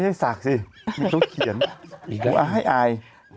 ให้ศักด์ซิรู้เขียนผมเอาให้อาย